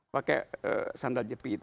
pakai sandal jepit